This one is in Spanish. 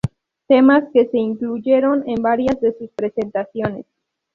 Temas que se incluyeron en varias de sus presentaciones.